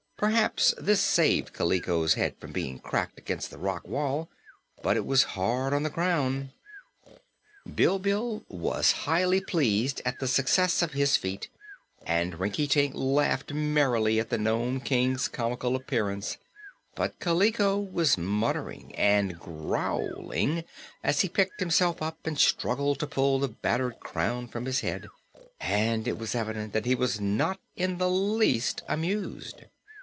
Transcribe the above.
Perhaps this saved Kaliko's head from being cracked against the rock wall, but it was hard on the crown. Bilbil was highly pleased at the success of his feat and Rinkitink laughed merrily at the Nome King's comical appearance; but Kaliko was muttering and growling as he picked himself up and struggled to pull the battered crown from his head, and it was evident that he was not in the least amused.